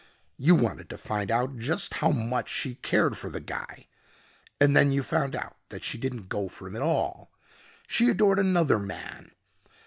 You wanted to find out just how much she cared for the guy. And then you found out that she didn't go for him at all. She adored another man.